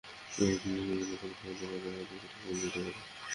এমনকি নিজের সন্তানদেরও কোনো ক্ষমতা নেই তাঁকে অধিকার থেকে বঞ্চিত করার।